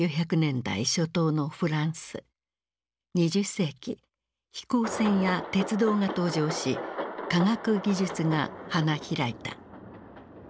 ２０世紀飛行船や鉄道が登場し科学技術が花開いた。